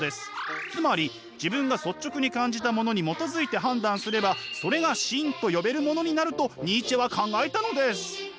つまり自分が率直に感じたものに基づいて判断すればそれが芯と呼べるものになるとニーチェは考えたのです！